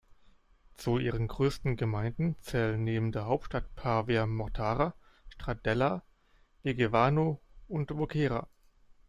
Zu ihren größten Gemeinden zählen neben der Hauptstadt Pavia Mortara, Stradella, Vigevano und Voghera.